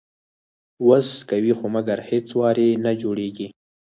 وس کوي خو مګر هیڅ وار یې نه جوړیږي